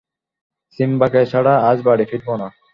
সিম্বাকে ছাড়া আজ বাড়ি ফিরব না।